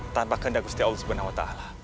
tanpa kehendakusti allah swt